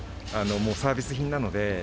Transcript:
もうサービス品なので。